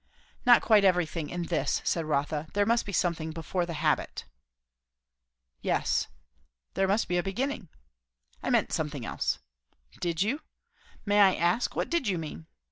"Not quite everything, in this," said Rotha. "There must be something before the habit." "Yes. There must be a beginning." "I meant something else." "Did you? May I ask, what did you mean?"